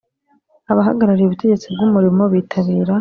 Abahagarariye ubutegetsi bw umurimo bitabira